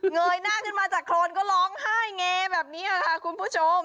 ยหน้าขึ้นมาจากโครนก็ร้องไห้เงแบบนี้ค่ะคุณผู้ชม